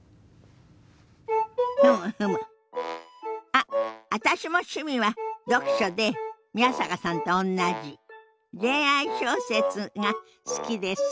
あっ私も趣味は読書で宮坂さんとおんなじ恋愛小説が好きです。